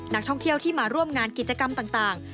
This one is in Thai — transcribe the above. นักท่องเที่ยวที่มาร่วมงานกิจกรรมต่าง